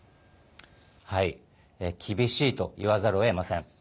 厳しいと言わざるをえません。